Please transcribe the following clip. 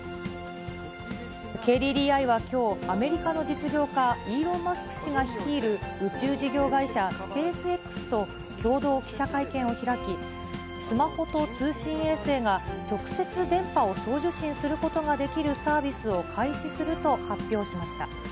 ＫＤＤＩはきょう、アメリカの実業家、イーロン・マスク氏が率いる、宇宙事業会社スペースＸと、共同記者会見を開き、スマホと通信衛星が直接電波を送受信することができるサービスを開始すると発表しました。